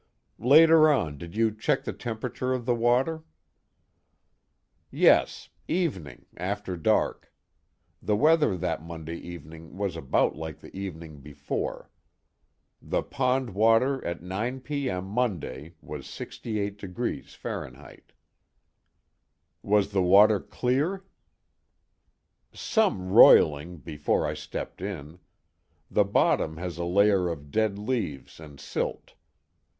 "Later on did you check the temperature of the water?" "Yes evening after dark. The weather that Monday evening was about like the evening before. The pond water at 9 P.M. Monday was at 68 degrees Fahrenheit." "Was the water clear?" "Some roiling, before I stepped in. The bottom has a layer of dead leaves and silt.